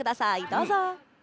どうぞ。